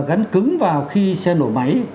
gắn cứng vào khi xe nổ máy